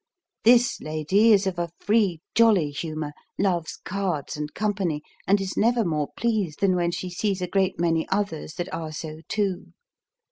This lady is of a free, jolly humour, loves cards and company, and is never more pleased than when she sees a great many others that are so too.